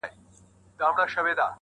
پلار له پوليسو سره ناست دی او مات ښکاري,